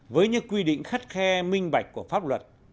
với những quy định khắt khe minh bạch của pháp luật